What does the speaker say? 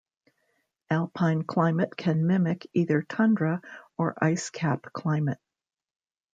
Alpine climate can mimic either tundra or ice cap climate.